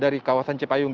ke kawasan cipayung